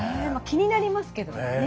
気になりますけどもね。